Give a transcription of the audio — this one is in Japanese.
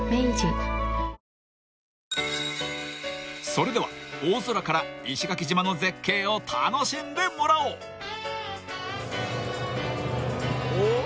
［それでは大空から石垣島の絶景を楽しんでもらおう］おっ？